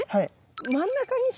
真ん中にさ